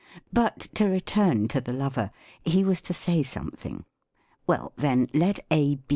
— but to return to the lover: he was to say something. Well, then, let A.